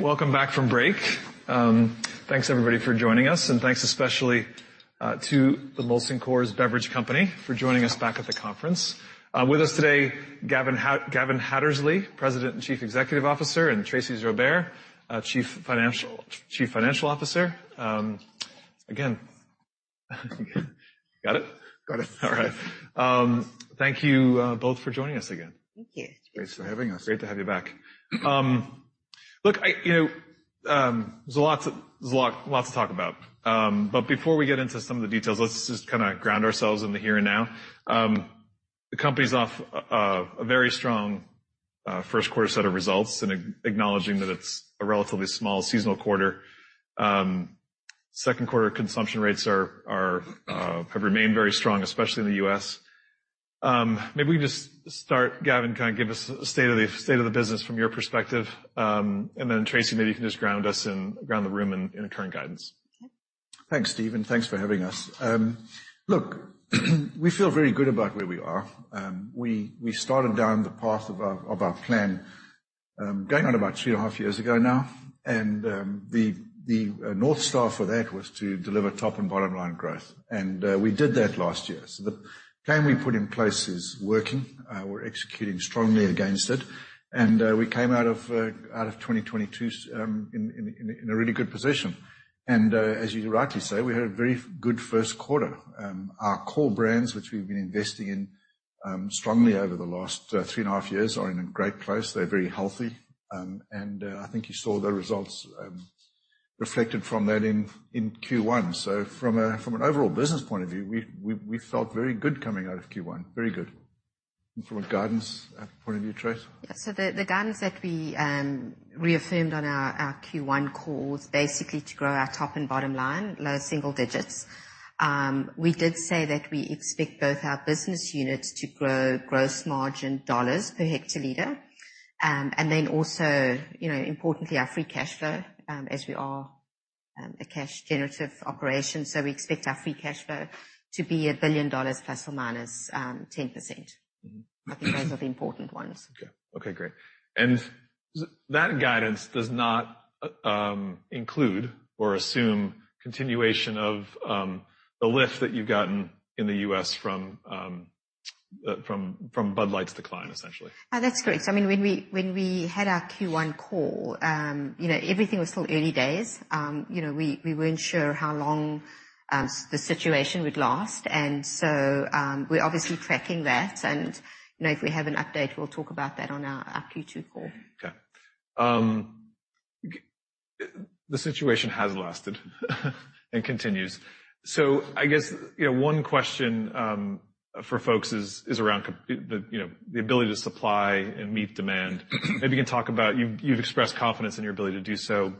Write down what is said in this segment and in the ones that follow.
Welcome back from break. Thanks everybody for joining us, and thanks especially to the Molson Coors Beverage Company for joining us back at the conference. With us today, Gavin Hattersley, President and Chief Executive Officer, and Tracey Joubert, Chief Financial Officer. Again, got it? Got it. All right. Thank you, both for joining us again. Thank you. Thanks for having us. Great to have you back. Look, I, you know, there's a lot, lots to talk about. Before we get into some of the details, let's just kinda ground ourselves in the here and now. The company's off of a very strong, first quarter set of results and acknowledging that it's a relatively small seasonal quarter. Second quarter consumption rates are, have remained very strong, especially in the U.S. Maybe we just start, Gavin, kind of give us a state of the business from your perspective, and then Tracey Joubert, maybe you can just ground the room in the current guidance. Thanks, Steve, and thanks for having us. Look, we feel very good about where we are. We started down the path of our plan, going on about 3.5 years ago now, the North Star for that was to deliver top and bottom line growth, we did that last year. The plan we put in place is working. We're executing strongly against it, we came out of 2022 in a really good position. As you rightly say, we had a very good first quarter. Our core brands, which we've been investing in strongly over the last 3.5 years, are in a great place. They're very healthy. I think you saw the results reflected from that in Q1. From an overall business point of view, we felt very good coming out of Q1. Very good. From a guidance point of view, Trace? Yeah. The guidance that we reaffirmed on our Q1 call was basically to grow our top and bottom line, low single digits. We did say that we expect both our business units to grow gross margin dollars per hectoliter. Also, you know, importantly, our free cash flow, as we are a cash generative operation, so we expect our free cash flow to be $1 billion ± 10%. I think those are the important ones. Okay. Okay, great. That guidance does not include or assume continuation of the lift that you've gotten in the U.S. from Bud Light's decline, essentially? That's correct. I mean, when we had our Q1 call, you know, everything was still early days. You know, we weren't sure how long the situation would last, we're obviously tracking that and, you know, if we have an update, we'll talk about that on our Q2 call. Okay. The situation has lasted and continues. I guess, you know, one question for folks is around the, you know, the ability to supply and meet demand. Maybe you can talk about. You've expressed confidence in your ability to do so,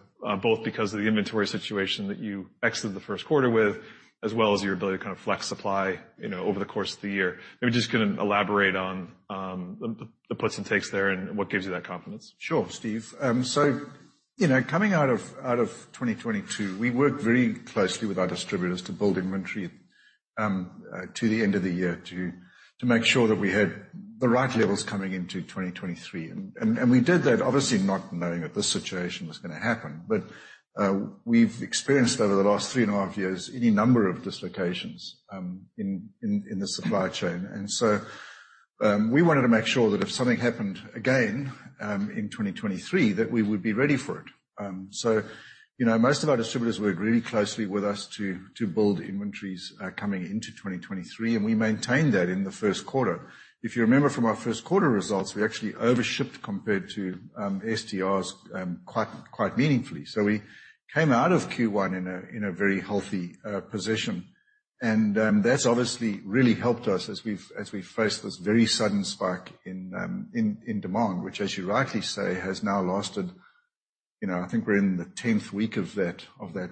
both because of the inventory situation that you exited the first quarter with, as well as your ability to kind of flex supply, you know, over the course of the year. Maybe just kinda elaborate on the puts and takes there and what gives you that confidence. Sure, Steve. You know, coming out of 2022, we worked very closely with our distributors to build inventory to the end of the year, to make sure that we had the right levels coming into 2023. We did that, obviously, not knowing that this situation was going to happen. We've experienced over the last 3.5 years, any number of dislocations in the supply chain. We wanted to make sure that if something happened again in 2023, that we would be ready for it. You know, most of our distributors worked really closely with us to build inventories coming into 2023, and we maintained that in the first quarter. If you remember from our first quarter results, we actually over shipped compared to STRs, quite meaningfully. We came out of Q1 in a very healthy position. That's obviously really helped us as we've faced this very sudden spike in demand, which, as you rightly say, has now lasted, you know, I think we're in the 10th week of that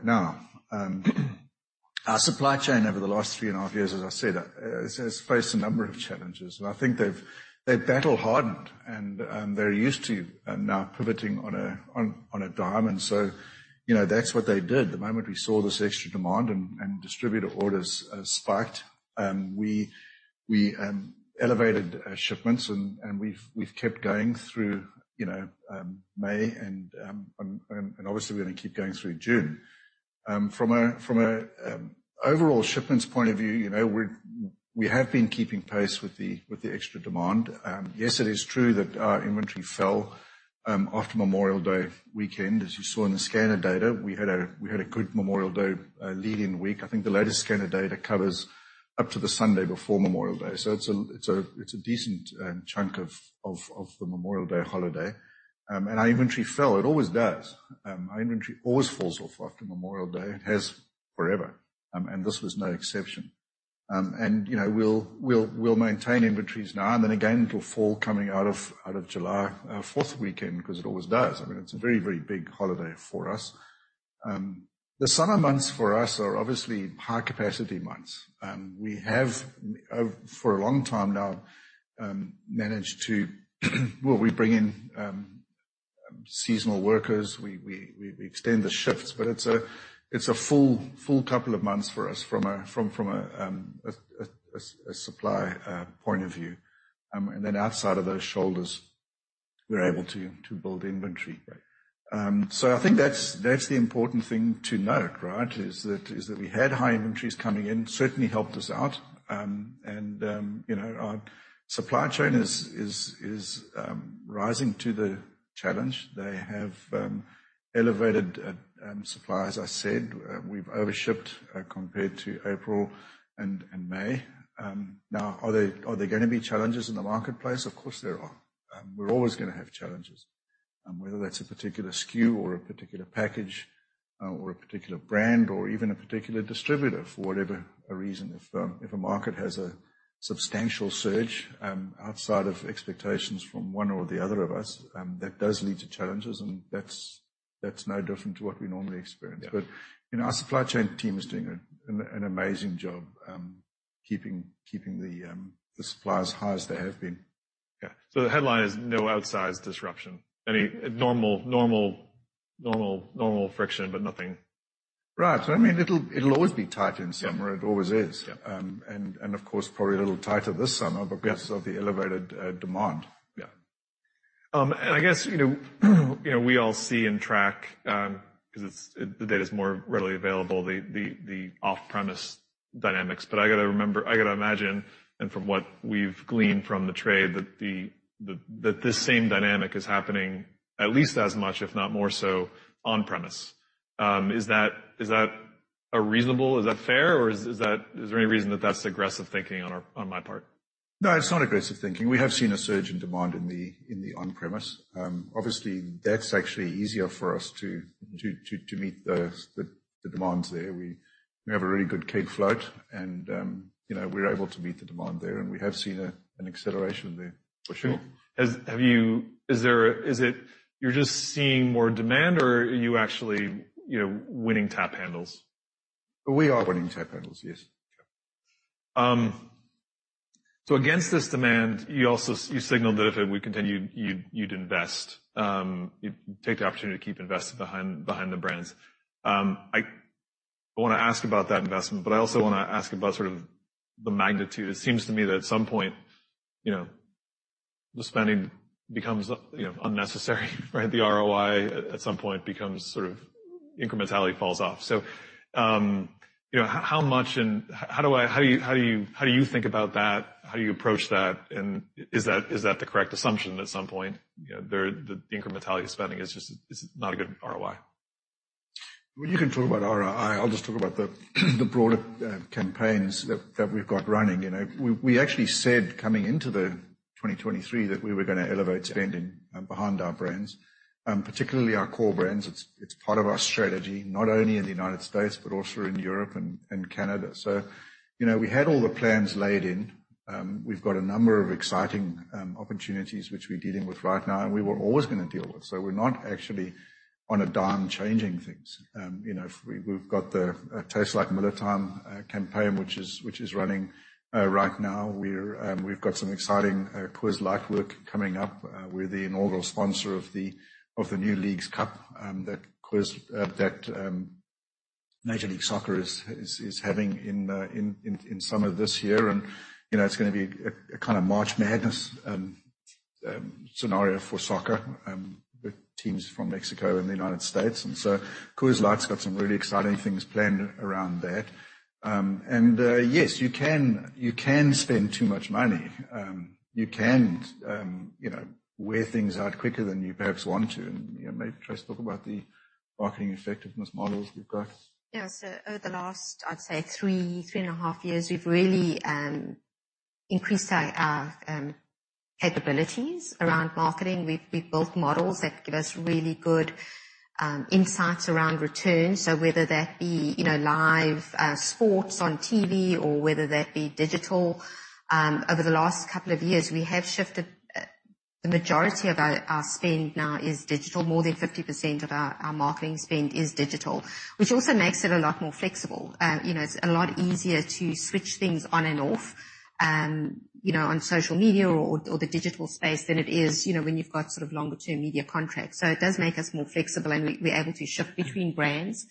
now. Our supply chain over the last 3.5 years, as I said, has faced a number of challenges, and I think they're battle-hardened and very used to now pivoting on a dime. You know, that's what they did. The moment we saw this extra demand and distributor orders spiked, we elevated shipments, and we've kept going through, you know, May and obviously we're gonna keep going through June. From an overall shipments point of view, you know, we have been keeping pace with the extra demand. Yes, it is true that our inventory fell after Memorial Day weekend, as you saw in the scanner data. We had a good Memorial Day lead-in week. I think the latest scanner data covers up to the Sunday before Memorial Day. It's a decent chunk of the Memorial Day holiday. Our inventory fell. It always does. Our inventory always falls off after Memorial Day. It has forever. This was no exception. You know, we'll maintain inventories now, and then again, it'll fall coming out of July 4th weekend, 'cause it always does. I mean, it's a very big holiday for us. The summer months for us are obviously high capacity months. We have for a long time now, managed to, well, we bring in seasonal workers. We extend the shifts, it's a full couple of months for us from a supply point of view. Outside of those shoulders, we're able to build inventory. I think that's the important thing to note, right? Is that we had high inventories coming in, certainly helped us out. Our supply chain is rising to the challenge. They have elevated supply. As I said, we've over shipped compared to April and May. Are there gonna be challenges in the marketplace? Of course, there are. We're always gonna have challenges, whether that's a particular SKU or a particular package, or a particular brand, or even a particular distributor, for whatever reason. If a market has a substantial surge outside of expectations from one or the other of us, that does lead to challenges, that's no different to what we normally experience. Yeah. you know, our supply chain team is doing an amazing job, keeping the supply as high as they have been. Yeah. The headline is no outsized disruption, any normal friction, but nothing. Right. I mean, it'll always be tight in summer. Yeah. It always is. Yeah. Of course, probably a little tighter this summer. Yeah because of the elevated demand. Yeah. I guess, you know, we all see and track, because it's, the data is more readily available, the off-premise dynamics. I got to remember, I got to imagine, and from what we've gleaned from the trade, that this same dynamic is happening at least as much, if not more so, on-premise. Is that a reasonable? Is that fair, or is there any reason that that's aggressive thinking on our, on my part? No, it's not aggressive thinking. We have seen a surge in demand in the on-premise. Obviously, that's actually easier for us to meet the demands there. We have a really good keg float and, you know, we're able to meet the demand there, and we have seen an acceleration there. For sure. Have you, is it you're just seeing more demand or are you actually, you know, winning tap handles? We are winning tap handles, yes. Okay. Against this demand, you also, you signaled that if it would continue, you'd invest, you'd take the opportunity to keep investing behind the brands. I wanna ask about that investment. I also wanna ask about sort of the magnitude. It seems to me that at some point, you know, the spending becomes, you know, unnecessary, right? The ROI at some point becomes sort of incrementality falls off. How much and how do I, how do you think about that? How do you approach that? Is that the correct assumption at some point, you know, the incrementality of spending is not a good ROI? Well, you can talk about ROI. I'll just talk about the broader campaigns that we've got running. You know, we actually said coming into 2023 that we were gonna elevate spending behind our brands, particularly our core brands. It's part of our strategy, not only in the United States, but also in Europe and Canada. You know, we had all the plans laid in. We've got a number of exciting opportunities which we're dealing with right now and we were always gonna deal with. We're not actually on a dime changing things. You know, we've got a Tastes Like Miller Time campaign, which is running right now. We've got some exciting Coors Light work coming up. We're the inaugural sponsor of the new Leagues Cup that Coors, that Major League Soccer is having in the summer this year, you know, it's gonna be a kind of March Madness scenario for soccer with teams from Mexico and the United States. Coors Light's got some really exciting things planned around that. Yes, you can spend too much money. You can, you know, wear things out quicker than you perhaps want to, you know, maybe Trish talk about the marketing effectiveness models we've got. Yeah. Over the last, I'd say 3.5 years, we've really increased our capabilities around marketing. We've built models that give us really good insights around return. Whether that be, you know, live sports on TV or whether that be digital, over the last couple of years, we have shifted. The majority of our spend now is digital. More than 50% of our marketing spend is digital, which also makes it a lot more flexible. You know, it's a lot easier to switch things on and off, you know, on social media or the digital space than it is, you know, when you've got sort of longer-term media contracts. It does make us more flexible and we're able to shift between brands.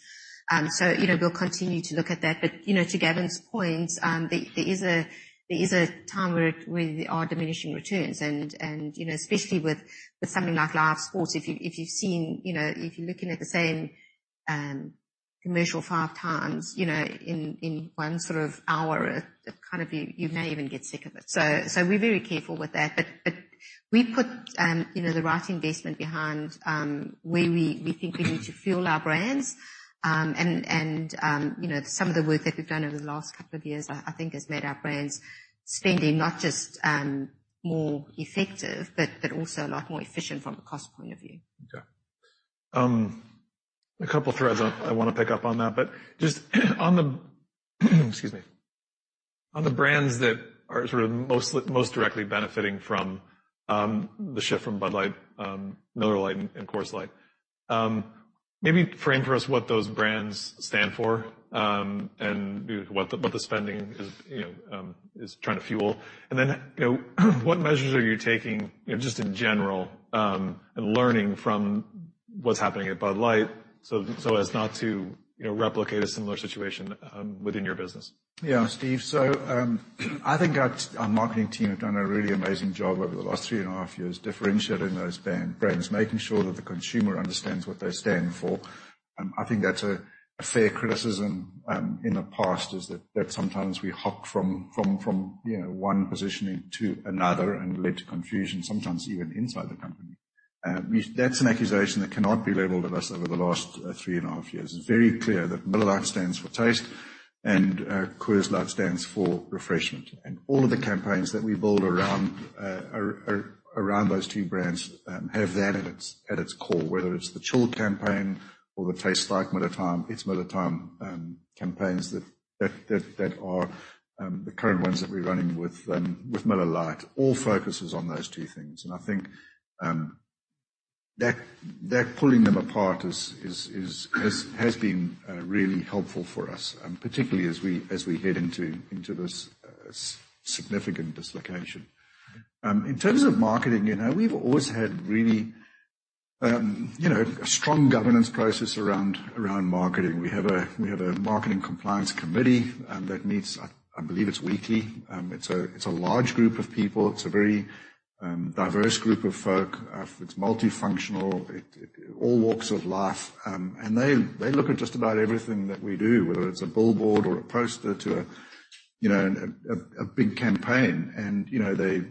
You know, we'll continue to look at that. You know, to Gavin's point, there is a time where there are diminishing returns and, you know, especially with something like live sports, if you've seen, you know, if you're looking at the same commercial 5x, you know, in one sort of hour, it kind of you may even get sick of it. We're very careful with that. We put, you know, the right investment behind where we think we need to fuel our brands. You know, some of the work that we've done over the last couple of years, I think, has made our brands spending not just more effective, but also a lot more efficient from a cost point of view. Okay. A couple threads I wanna pick up on that, but just on the, excuse me, on the brands that are sort of mostly, most directly benefiting from, the shift from Bud Light, Miller Lite, and Coors Light. Maybe frame for us what those brands stand for, and what the spending is, you know, is trying to fuel. Then, you know, what measures are you taking, you know, just in general, and learning from what's happening at Bud Light, as not to, you know, replicate a similar situation, within your business? Yeah, Steve. I think our marketing team have done a really amazing job over the last 3.5 years, differentiating those brands, making sure that the consumer understands what they stand for. I think that's a fair criticism, in the past, is that sometimes we hop from, you know, one positioning to another and led to confusion, sometimes even inside the company. That's an accusation that cannot be labeled of us over the last, 3.5 years. It's very clear that Miller Lite stands for taste, and, Coors Light stands for refreshment. All of the campaigns that we build around those two brands have that at its core, whether it's the Chill campaign or the Tastes Like Miller Time, It's Miller Time campaigns that are the current ones that we're running with Miller Lite, all focuses on those two things. I think that pulling them apart has been really helpful for us, particularly as we head into this significant dislocation. In terms of marketing, you know, we've always had really, you know, a strong governance process around marketing. We have a marketing compliance committee that meets, I believe it's weekly. It's a large group of people. It's a very diverse group of folk. It's multifunctional, it, all walks of life, and they look at just about everything that we do, whether it's a billboard or a poster, to a, you know, a big campaign. You know, they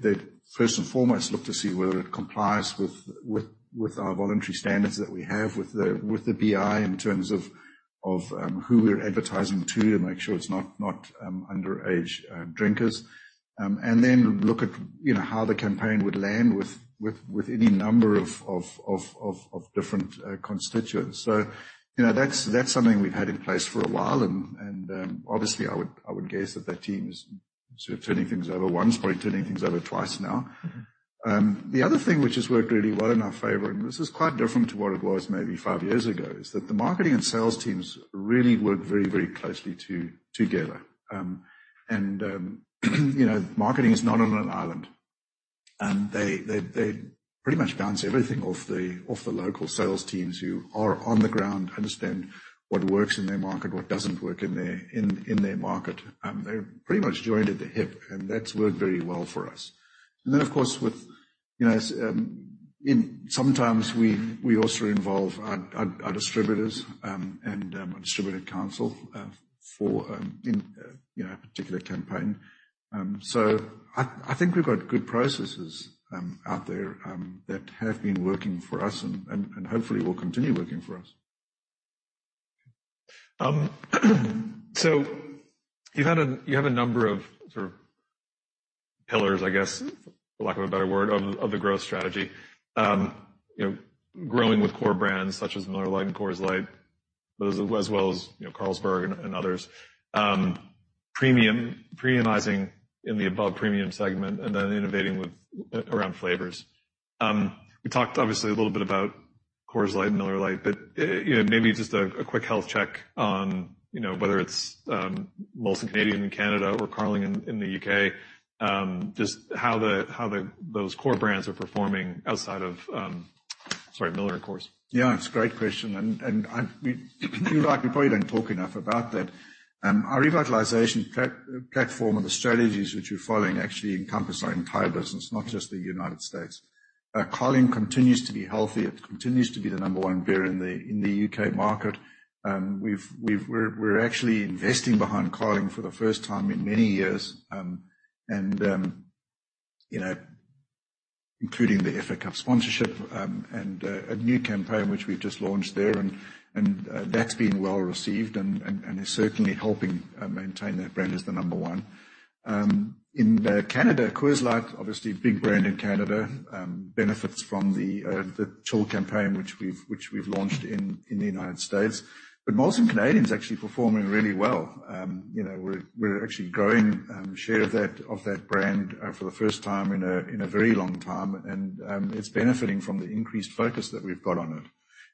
first and foremost, look to see whether it complies with our voluntary standards that we have with the BI in terms of who we're advertising to, and make sure it's not underage drinkers. Look at, you know, how the campaign would land with any number of different constituents. You know, that's something we've had in place for a while, and obviously, I would guess that that team is sort of turning things over once, probably turning things over twice now. The other thing which has worked really well in our favor, and this is quite different to what it was maybe five years ago, is that the marketing and sales teams really work very, very closely together. You know, marketing is not on an island, and they pretty much bounce everything off the local sales teams who are on the ground, understand what works in their market, what doesn't work in their market. They're pretty much joined at the hip, and that's worked very well for us. Of course, with, you know, Sometimes we also involve our distributors, and our distributor council for, you know, a particular campaign. I think we've got good processes out there that have been working for us and hopefully will continue working for us. You have a number of sort of pillars, I guess, for lack of a better word, of the growth strategy. You know, growing with core brands such as Miller Lite and Coors Light, as well as, you know, Carlsberg and others. Premiumizing in the above premium segment, innovating with around flavors. We talked obviously a little bit about Coors Light and Miller Lite, you know, maybe just a quick health check on, you know, whether it's Molson Canadian in Canada or Carling in the U.K., just how those core brands are performing outside of, sorry, Miller, of course. Yeah, it's a great question. We probably don't talk enough about that. Our revitalization platform and the strategies which we're following actually encompass our entire business, not just the United States. Carling continues to be healthy. It continues to be the number one beer in the U.K. market. We're actually investing behind Carling for the first time in many years, you know, including the FA Cup sponsorship, and a new campaign which we've just launched there and that's been well-received and is certainly helping maintain that brand as the number one. In Canada, Coors Light, obviously a big brand in Canada, benefits from the Chill campaign which we've launched in the United States. Molson Canadian is actually performing really well. You know, we're actually growing share of that brand for the first time in a very long time, and it's benefiting from the increased focus that we've got on it.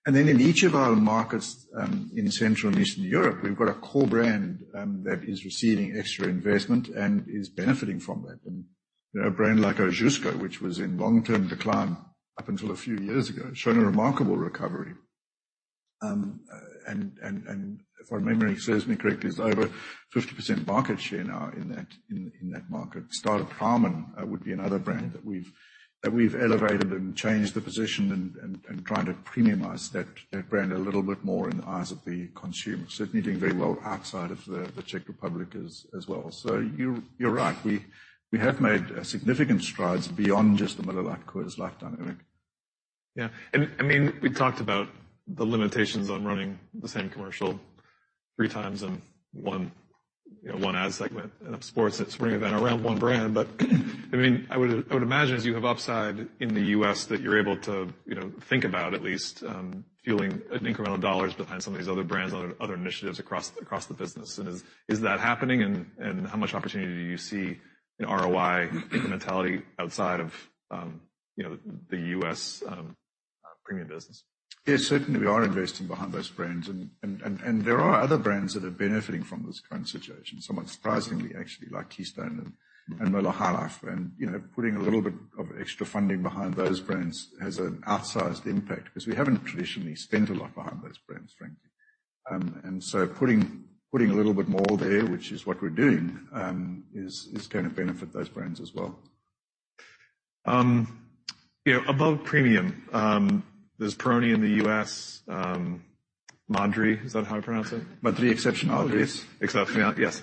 In each of our markets in Central and Eastern Europe, we've got a core brand that is receiving extra investment and is benefiting from that. You know, a brand like Kozel, which was in long-term decline up until a few years ago, has shown a remarkable recovery. If my memory serves me correctly, it's over 50% market share now in that market. Staropramen would be another brand that we've elevated and changed the position and trying to premiumize that brand a little bit more in the eyes of the consumer. Certainly doing very well outside of the Czech Republic as well. You're right, we have made significant strides beyond just the Miller Lite, Coors Light dynamic. I mean, we talked about the limitations on running the same commercial 3x in one, you know, one ad segment and a sports spring event around one brand. I mean, I would, I would imagine as you have upside in the U.S., that you're able to, you know, think about at least fueling incremental dollars behind some of these other brands, other initiatives across the business. Is that happening? How much opportunity do you see in ROI mentality outside of, you know, the U.S. premium business? Yes, certainly, we are investing behind those brands and there are other brands that are benefiting from this current situation, somewhat surprisingly, actually, like Keystone and Miller High Life. You know, putting a little bit of extra funding behind those brands has an outsized impact, 'cause we haven't traditionally spent a lot behind those brands, frankly. And so putting a little bit more there, which is what we're doing, is gonna benefit those brands as well. You know, above premium, there's Peroni in the U.S., Madrí, is that how I pronounce it? Madrí Excepcional. Exceptional, yes.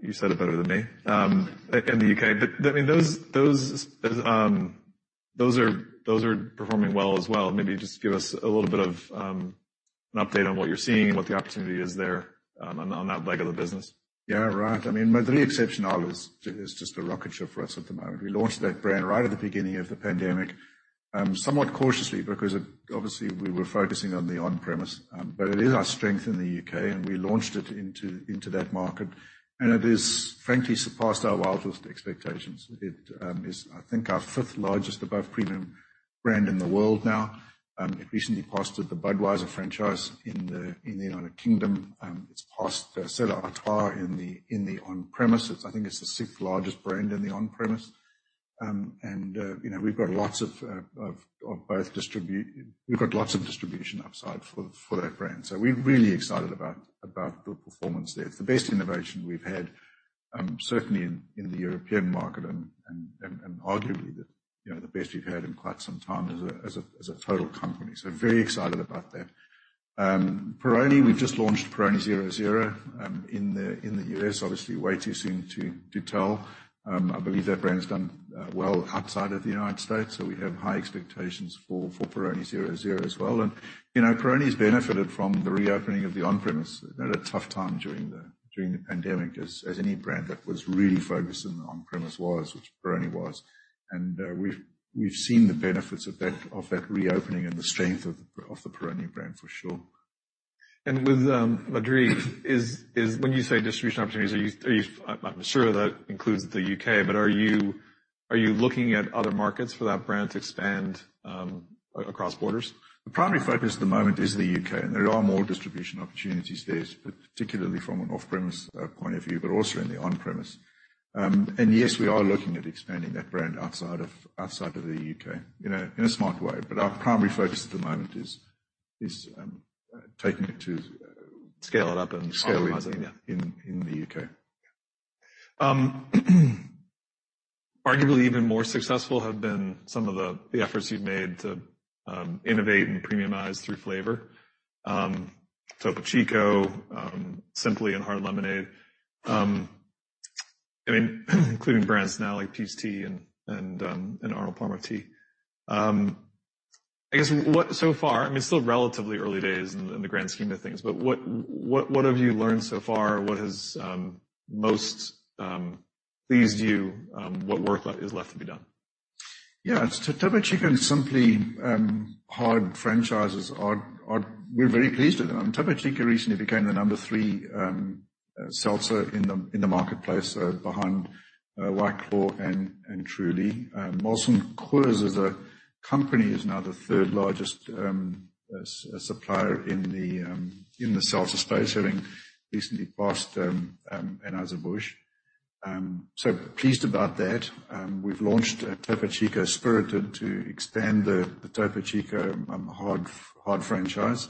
You said it better than me. In the U.K. I mean, those are performing well as well. Maybe just give us a little bit of an update on what you're seeing and what the opportunity is there on that leg of the business. Yeah, right. I mean, Madrí Excepcional is just a rocket ship for us at the moment. We launched that brand right at the beginning of the pandemic, somewhat cautiously, because obviously, we were focusing on the on-premise, but it is our strength in the U.K., and we launched it into that market, and it has frankly surpassed our wildest expectations. It is, I think, our fifth largest above premium brand in the world now. It recently posted the Budweiser franchise in the United Kingdom, it's passed Stella Artois in the on-premise. I think it's the sixth largest brand in the on-premise. You know, we've got lots of distribution upside for that brand. So we're really excited about the performance there. It's the best innovation we've had, certainly in the European market and arguably the, you know, the best we've had in quite some time as a total company. Very excited about that. Peroni, we've just launched Peroni 0.0% in the U.S. Obviously, way too soon to tell. I believe that brand has done well outside of the United States, so we have high expectations for Peroni 0.0% as well. You know, Peroni's benefited from the reopening of the on-premise. They had a tough time during the pandemic, as any brand that was really focused on the on-premise was, which Peroni was, and we've seen the benefits of that reopening and the strength of the Peroni brand for sure. With Madrí, when you say distribution opportunities, I'm sure that includes the U.K., but are you looking at other markets for that brand to expand across borders? The primary focus at the moment is the U.K., and there are more distribution opportunities there, particularly from an off-premise, point of view, but also in the on-premise. Yes, we are looking at expanding that brand outside of the U.K., you know, in a smart way, but our primary focus at the moment is taking it to scale it up. Scale it up. In the U.K.. Arguably even more successful have been some of the efforts you've made to innovate and premiumize through flavor. Topo Chico, Simply Hard Lemonade. I mean, including brands now like Peace Tea and Arnold Palmer Spiked. I guess what, so far, I mean, it's still relatively early days in the grand scheme of things, but what have you learned so far? What has most pleased you? What work is left to be done? Yeah, Topo Chico and Simply Hard franchises. We're very pleased with them. Topo Chico recently became the number three seltzer in the marketplace behind White Claw and Truly. Molson Coors as a company is now the third largest as a supplier in the seltzer space, having recently passed Anheuser-Busch. Pleased about that. We've launched Topo Chico Spirited to extend the Topo Chico Hard franchise.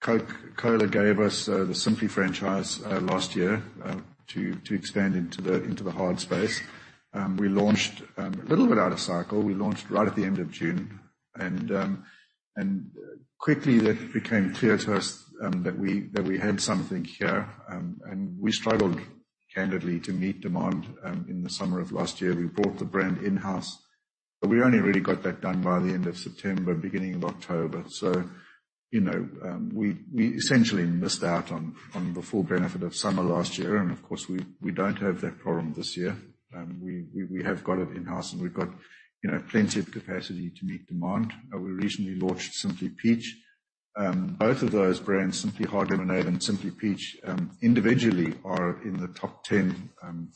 Coca-Cola gave us the Simply franchise last year to expand into the hard space. We launched a little bit out of cycle. We launched right at the end of June, and quickly that became clear to us that we had something here. We struggled, candidly, to meet demand in the summer of last year. We brought the brand in-house. We only really got that done by the end of September, beginning of October. You know, we essentially missed out on the full benefit of summer last year, and of course, we don't have that problem this year. We have got it in-house, and we've got, you know, plenty of capacity to meet demand. We recently launched Simply Peach. Both of those brands, Simply Hard Lemonade and Simply Peach, individually are in the 10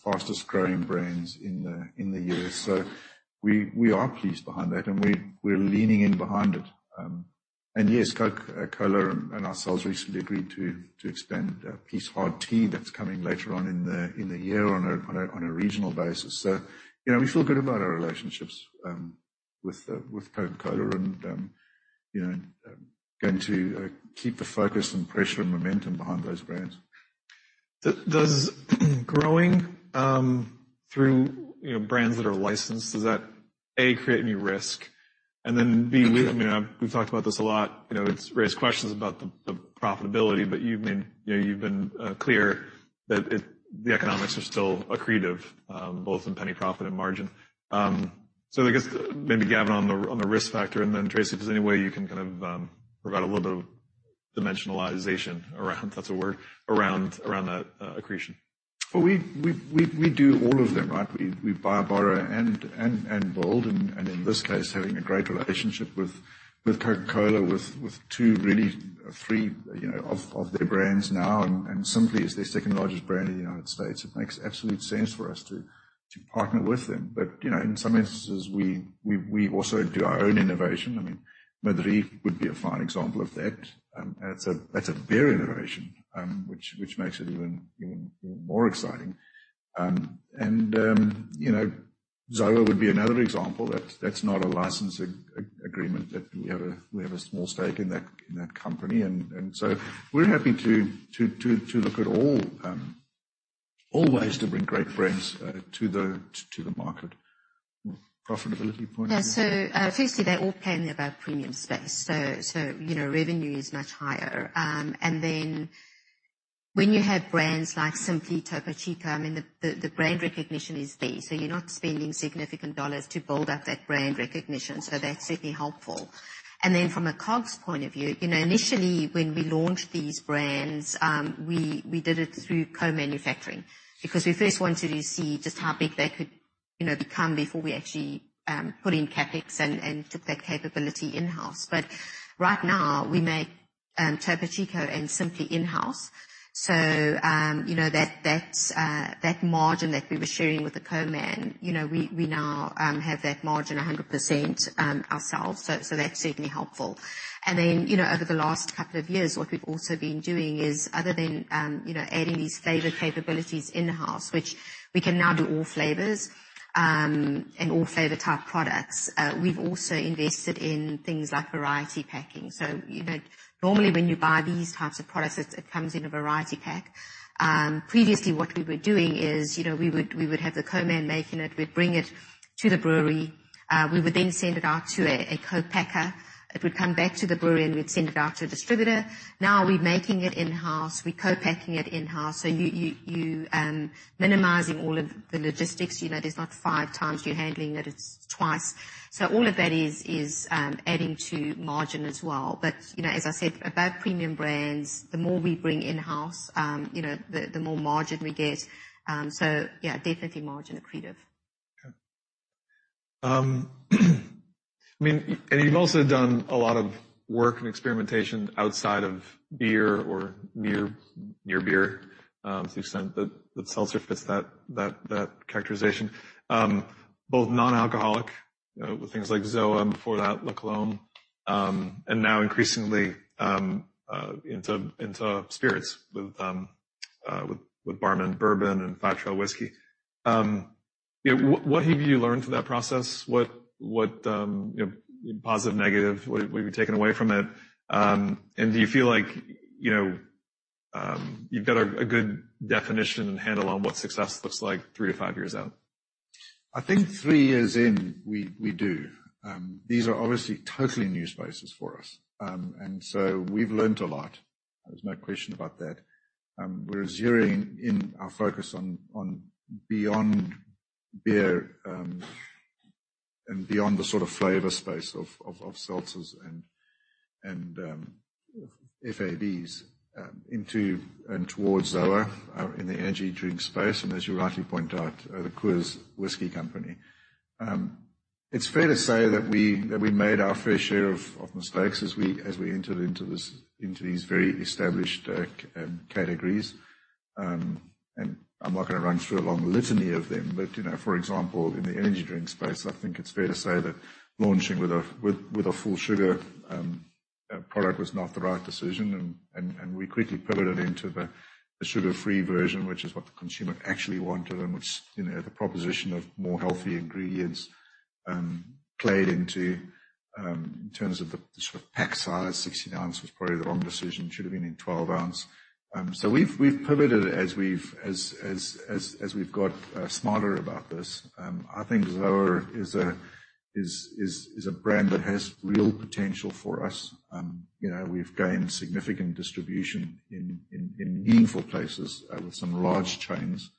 fastest-growing brands in the U.S. We are pleased behind that, and we're leaning in behind it. Yes, Coca-Cola and ourselves recently agreed to expand Peace Hard Tea. That's coming later on in the year on a regional basis. You know, we feel good about our relationships with Coca-Cola and, you know, going to keep the focus and pressure and momentum behind those brands. Does growing, you know, through brands that are licensed, does that, A, create any risk? B, I mean, we've talked about this a lot, you know, it's raised questions about the profitability, but you've been, you know, clear that the economics are still accretive, both in penny profit and margin. I guess maybe, Gavin, on the risk factor, Tracy, if there's any way you can kind of provide a little bit of dimensionalization around, if that's a word, around that accretion. Well, we do all of them, right? We buy, borrow, and build, and in this case, having a great relationship with Coca-Cola, with two, really three, you know, of their brands now, and Simply is their second-largest brand in the United States. It makes absolute sense for us to partner with them. You know, in some instances, we also do our own innovation. I mean, Madrí would be a fine example of that. That's a beer innovation, which makes it even more exciting. Zoa would be another example that's not a licensing agreement, that we have a small stake in that company. We're happy to look at all ways to bring great brands to the market. Profitability point of view? Firstly, they're all playing about premium space. You know, revenue is much higher. When you have brands like Simply Topo Chico, I mean, the brand recognition is there, so you're not spending significant dollars to build up that brand recognition, so that's certainly helpful. From a COGS point of view, you know, initially when we launched these brands, we did it through co-manufacturing because we first wanted to see just how big they could, you know, become before we actually put in CapEx and took that capability in-house. Right now, we make Topo Chico and Simply in-house. You know, that's that margin that we were sharing with the co-man, you know, we now have that margin 100% ourselves, so that's certainly helpful. Then, you know, over the last couple of years, what we've also been doing is, other than, you know, adding these flavor capabilities in-house, which we can now do all flavors, and all flavor type products, we've also invested in things like variety packing. You know, normally when you buy these types of products, it comes in a variety pack. Previously what we were doing is, you know, we would have the co-man making it. We'd bring it to the brewery, we would then send it out to a co-packer. It would come back to the brewery, and we'd send it out to a distributor. We're making it in-house, we're co-packing it in-house, so you minimizing all of the logistics, you know, there's not 5x you're handling it's twice. All of that is adding to margin as well. You know, as I said, about premium brands, the more we bring in-house, you know, the more margin we get. Yeah, definitely margin accretive. Okay. I mean, you've also done a lot of work and experimentation outside of beer or near beer, to the extent that the seltzer fits that characterization. Both non-alcoholic, with things like ZOA, before that, La Colombe, and now increasingly, into spirits with Barmen Bourbon and Five Trail Whiskey. Yeah, what have you learned from that process? What, you know, positive, negative, what have you taken away from it? Do you feel like, you know, you've got a good definition and handle on what success looks like three to five years out? I think three years in, we do. These are obviously totally new spaces for us. We've learned a lot. There's no question about that. We're zeroing in our focus on beyond beer and beyond the sort of flavor space of seltzers and FABs into and towards ZOA in the energy drink space, and as you rightly point out, the Coors Whiskey Company. It's fair to say that we made our fair share of mistakes as we entered into these very established categories. I'm not gonna run through a long litany of them, but, you know, for example, in the energy drink space, I think it's fair to say that launching with a full sugar product was not the right decision. We quickly pivoted into the sugar-free version, which is what the consumer actually wanted which, you know, the proposition of more healthy ingredients played into. In terms of the sort of pack size, 16 ounce was probably the wrong decision. Should have been in 12 ounce. We've pivoted as we've got smarter about this. I think Zoa is a brand that has real potential for us. You know, we've gained significant distribution in meaningful places with some large chains.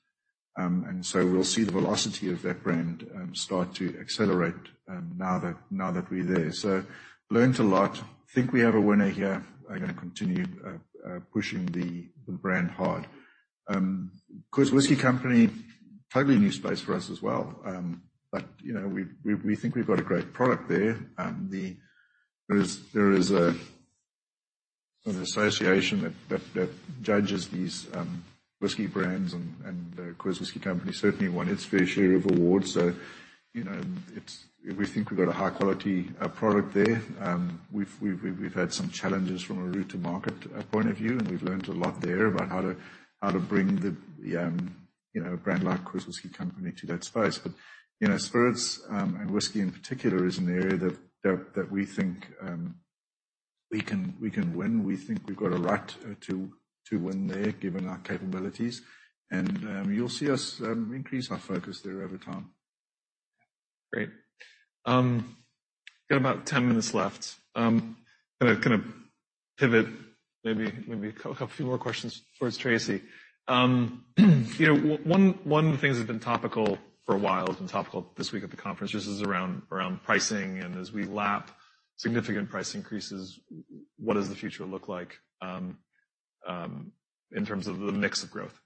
We'll see the velocity of that brand start to accelerate now that, now that we're there. Learned a lot. Think we have a winner here. I'm gonna continue pushing the brand hard. Coors Whiskey Co., totally new space for us as well. You know, we think we've got a great product there. There is, there is a, an association that, that judges these whiskey brands, and Coors Whiskey Co. certainly won its fair share of awards. You know, we think we've got a high-quality product there. We've had some challenges from a route to market point of view, and we've learned a lot there about how to, how to bring the, you know, a brand like Coors Whiskey Co. to that space. You know, spirits, and whiskey in particular, is an area that we think we can win. We think we've got a right to win there, given our capabilities, and you'll see us increase our focus there over time. Great. Got about 10 minutes left. I'm gonna kind of pivot, maybe a couple few more questions towards Tracey. You know, one of the things that's been topical for a while, it's been topical this week at the conference, this is around pricing, and as we lap significant price increases, what does the future look like in terms of the mix of growth?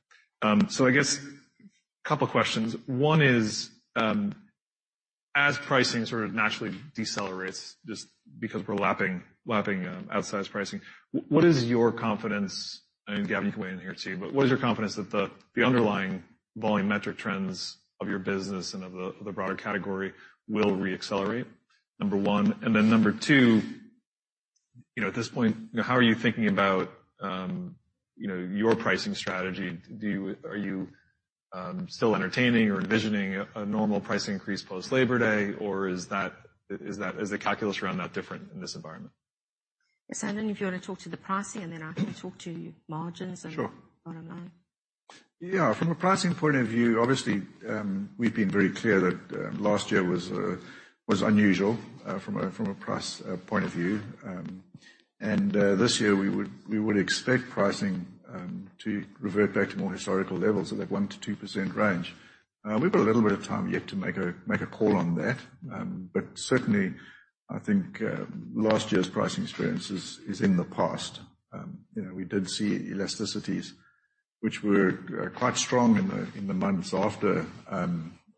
So I guess a couple questions. One is, as pricing sort of naturally decelerates, just because we're lapping outsized pricing, what is your confidence, and Gavin, you can weigh in here, too, but what is your confidence that the underlying volumetric trends of your business and of the broader category will re-accelerate? Number one, and then number two. You know, at this point, how are you thinking about, you know, your pricing strategy? Are you still entertaining or envisioning a normal price increase post Labor Day, or is the calculus around that different in this environment? Yes. Gavin, if you want to talk to the pricing, I can talk to margins. Sure. Bottom line. From a pricing point of view, obviously, we've been very clear that last year was unusual from a price point of view. This year, we would expect pricing to revert back to more historical levels, so that 1%-2% range. We've got a little bit of time yet to make a call on that. Certainly, I think, last year's pricing experience is in the past. You know, we did see elasticities, which were quite strong in the months after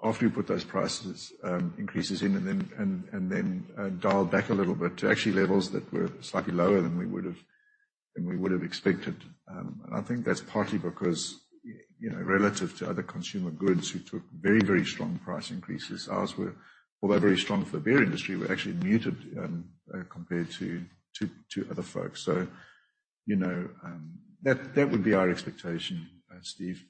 after we put those prices increases in, and then dialed back a little bit to actually levels that were slightly lower than we would've expected. I think that's partly because, you know, relative to other consumer goods, who took very strong price increases, ours were, although very strong for the beer industry, were actually muted, compared to other folks. You know, that would be our expectation, Steve.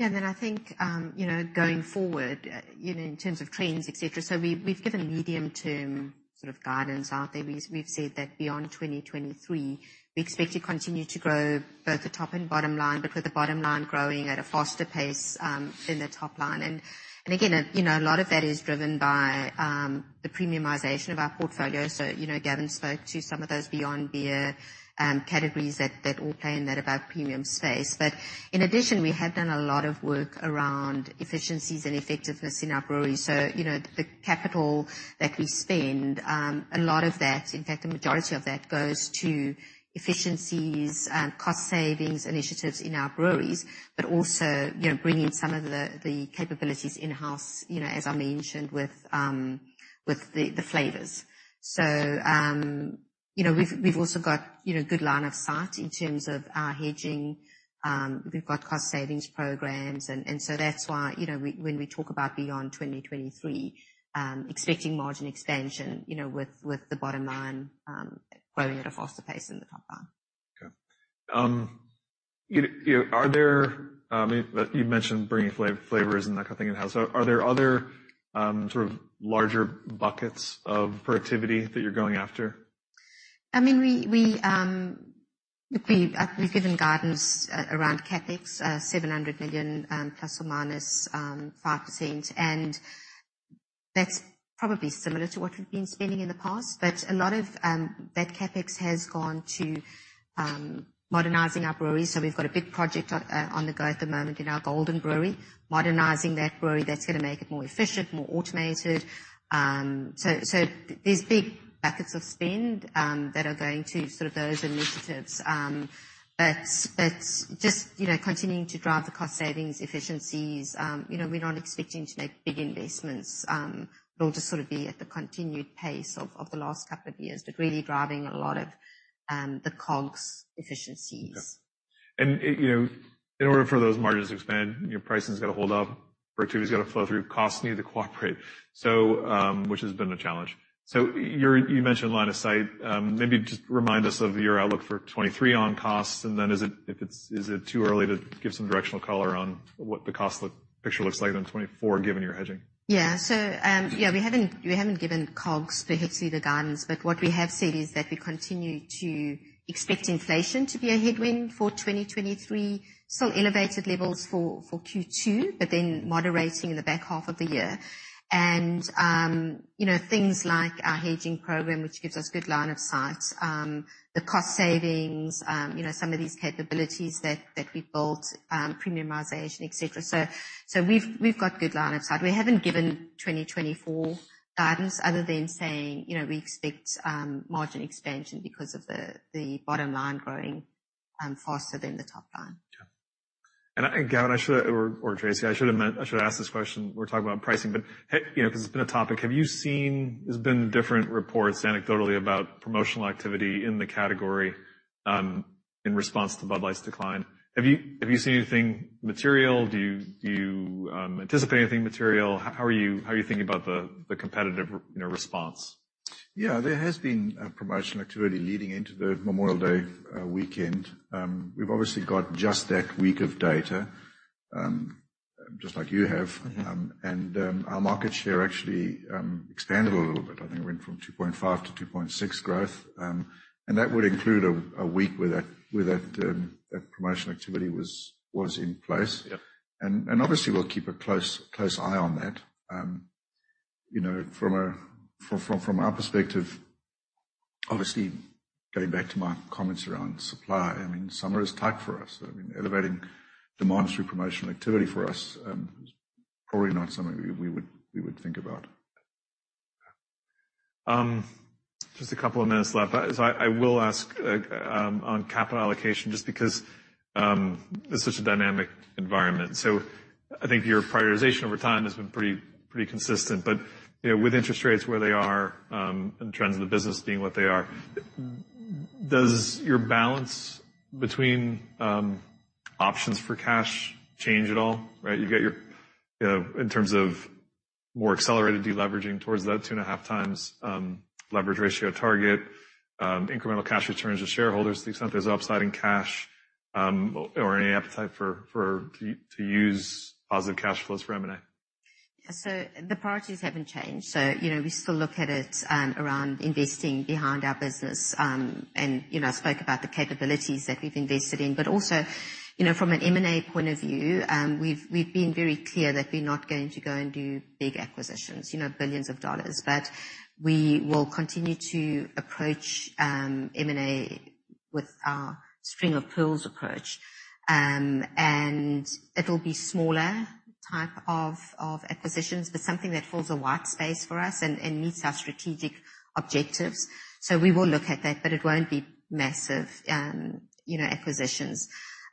I think, you know, going forward, you know, in terms of trends, et cetera, we've given medium-term sort of guidance out there. We've said that beyond 2023, we expect to continue to grow both the top and bottom line, but with the bottom line growing at a faster pace than the top line. Again, you know, a lot of that is driven by the premiumization of our portfolio. You know, Gavin spoke to some of those beyond beer categories that all play in that about premium space. In addition, we have done a lot of work around efficiencies and effectiveness in our brewery. You know, the capital that we spend, a lot of that, in fact, the majority of that goes to efficiencies and cost savings initiatives in our breweries, but also, you know, bringing some of the capabilities in-house, you know, as I mentioned, with the flavors. You know, we've also got, you know, good line of sight in terms of our hedging. We've got cost savings programs, that's why, you know, when we talk about beyond 2023, expecting margin expansion, you know, with the bottom line, growing at a faster pace than the top line. Okay. You know, are there. You mentioned bringing flavors and that kind of thing in-house. Are there other, sort of larger buckets of productivity that you're going after? I mean, we've given guidance around CapEx, $700 million, ±5%, and that's probably similar to what we've been spending in the past. A lot of that CapEx has gone to modernizing our brewery. We've got a big project on the go at the moment in our Golden Brewery, modernizing that brewery. That's gonna make it more efficient, more automated. There's big buckets of spend that are going to sort of those initiatives. Just, you know, continuing to drive the cost savings, efficiencies, you know, we're not expecting to make big investments. They'll just sort of be at the continued pace of the last couple of years, but really driving a lot of the COGS efficiencies. You know, in order for those margins to expand, your pricing's got to hold up, productivity has got to flow through, costs need to cooperate. Which has been a challenge. You mentioned line of sight. Maybe just remind us of your outlook for 23 on costs, and then is it too early to give some directional color on what the cost picture looks like in 24, given your hedging? We haven't given COGS specifically the guidance, but what we have said is that we continue to expect inflation to be a headwind for 2023. Still elevated levels for Q2, but then moderating in the back half of the year. You know, things like our hedging program, which gives us good line of sight, the cost savings, you know, some of these capabilities that we built, premiumization, et cetera. We've got good line of sight. We haven't given 2024 guidance other than saying, you know, we expect margin expansion because of the bottom line growing faster than the top line. Yeah. Gavin, I should have, or Tracey, I should ask this question. We're talking about pricing, but, hey, you know, because it's been a topic, have you seen? There's been different reports anecdotally about promotional activity in the category in response to Bud Light's decline. Have you seen anything material? Do you anticipate anything material? How are you thinking about the competitive, you know, response? Yeah, there has been a promotional activity leading into the Memorial Day weekend. We've obviously got just that week of data, just like you have. Mm-hmm. Our market share actually expanded a little bit. I think it went from 2.5 to 2.6 growth. That would include a week where that promotional activity was in place. Yeah. Obviously, we'll keep a close eye on that. You know, from our perspective, obviously, going back to my comments around supply, I mean, summer is tight for us. I mean, elevating demand through promotional activity for us, is probably not something we would think about. Just a couple of minutes left. I will ask on capital allocation, just because it's such a dynamic environment. I think your prioritization over time has been pretty consistent. You know, with interest rates where they are, and trends of the business being what they are, does your balance between options for cash change at all? Right, you got your, you know, in terms of more accelerated deleveraging towards that 2.5x leverage ratio target, incremental cash returns to shareholders to the extent there's upside in cash, or any appetite for to use positive cash flows for M&A? The priorities haven't changed. You know, we still look at it around investing behind our business. You know, I spoke about the capabilities that we've invested in, but also, you know, from an M&A point of view, we've been very clear that we're not going to go and do big acquisitions, you know, billions of dollars. We will continue to approach M&A with our string-of-pearls approach. It'll be smaller type of acquisitions, but something that fills a white space for us and meets our strategic objectives. We will look at that, but it won't be massive, you know, acquisitions.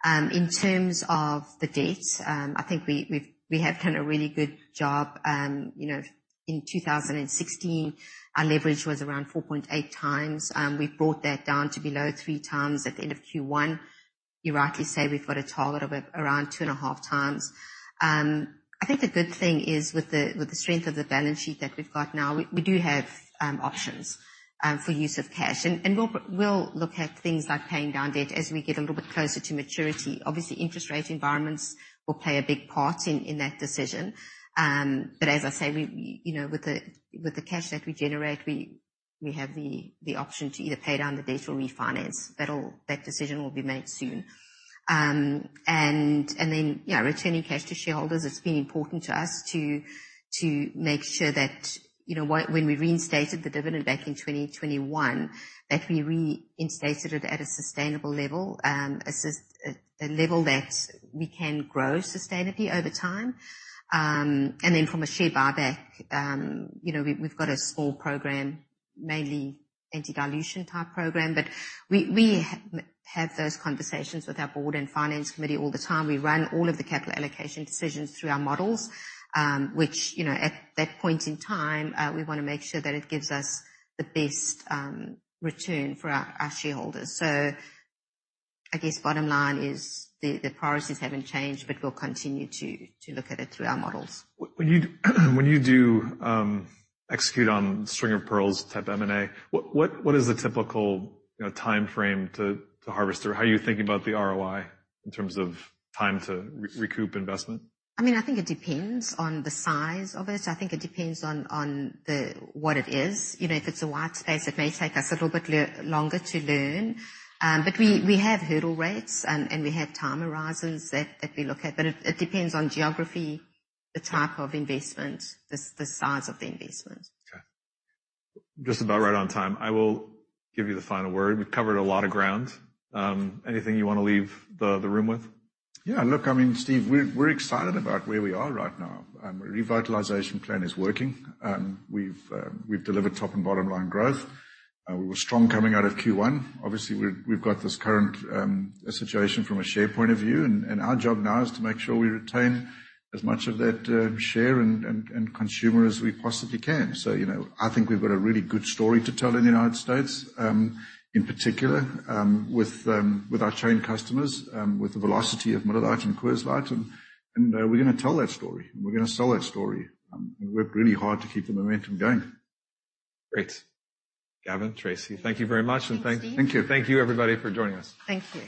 In terms of the dates, I think we have done a really good job. You know, in 2016, our leverage was around 4.8x. We brought that down to below 3x at the end of Q1. You rightly say we've got a target of around 2.5x. I think the good thing is, with the strength of the balance sheet that we've got now, we do have options for use of cash. We'll look at things like paying down debt as we get a little bit closer to maturity. Obviously, interest rate environments will play a big part in that decision. As I say, we, you know, with the cash that we generate, we have the option to either pay down the debt or refinance. That decision will be made soon. Then, yeah, returning cash to shareholders, it's been important to us to make sure that, you know, when we reinstated the dividend back in 2021, that we reinstated it at a sustainable level, a level that we can grow sustainably over time. Then from a share buyback, you know, we've got a small program, mainly anti-dilution type program. We have those conversations with our board and finance committee all the time. We run all of the capital allocation decisions through our models, which, you know, at that point in time, we wanna make sure that it gives us the best return for our shareholders. I guess bottom line is the priorities haven't changed, but we'll continue to look at it through our models. When you do execute on string-of-pearls type M&A, what is the typical, you know, timeframe to harvest, or how are you thinking about the ROI in terms of time to recoup investment? I mean, I think it depends on the size of it. I think it depends on the, what it is. You know, if it's a white space, it may take us a little bit longer to learn. We, we have hurdle rates, and we have time horizons that we look at, but it depends on geography, the type of investment, the size of the investment. Okay. Just about right on time. I will give you the final word. We've covered a lot of ground. Anything you want to leave the room with? Look, I mean, Steve, we're excited about where we are right now. Revitalization plan is working. We've delivered top and bottom line growth. We were strong coming out of Q1. Obviously, we've got this current situation from a share point of view, and our job now is to make sure we retain as much of that share and consumer as we possibly can. You know, I think we've got a really good story to tell in the United States, in particular, with our chain customers, with the velocity of Miller Lite and Coors Light, and we're gonna tell that story, and we're gonna sell that story, and work really hard to keep the momentum going. Great! Gavin, Tracey, thank you very much. Thanks, Steve. Thank you. Thank you, everybody, for joining us. Thank you.